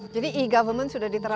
jadi e government sudah diterapkan